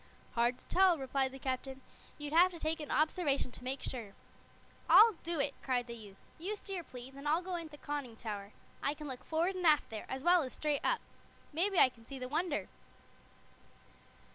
"Hard to tell," replied the Captain. "You'd have to take an observation to make sure." "I'll do it," cried the youth. "You steer, please, and I'll go in the conning tower. I can look forward and aft there, as well as straight up. Maybe I can see the Wonder."